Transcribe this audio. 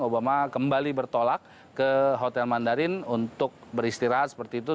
obama kembali bertolak ke hotel mandarin untuk beristirahat seperti itu